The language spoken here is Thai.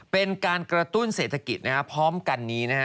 เป็นการกระตุ้นเศรษฐกิจพร้อมกันนี้นะฮะ